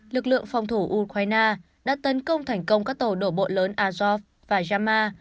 lực lượng phòng thủ ukraine đã tấn công thành công các tàu đổ bộ lớn azov và yama